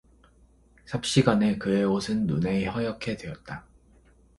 삽시간에 그의 옷은 눈에 허옇게 되었다.